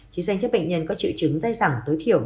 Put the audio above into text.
chỉ dành cho bệnh nhân có triệu chứng dễ dàng